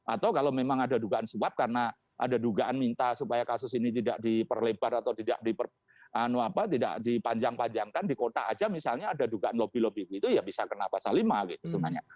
atau kalau memang ada dugaan suap karena ada dugaan minta supaya kasus ini tidak diperlebar atau tidak dipanjang panjangkan di kota saja misalnya ada dugaan lobby lobby itu ya bisa kena pasal lima gitu sebenarnya